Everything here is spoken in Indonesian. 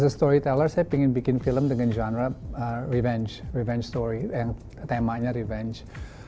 sebagai seorang penceritakan saya ingin membuat film dengan genre revenge story revenge yang temanya revenge